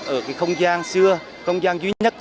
ở cái không gian xưa không gian duy nhất